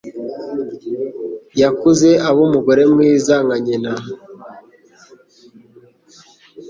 Yakuze aba umugore mwiza nka nyina.